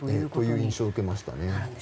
という印象を受けましたね。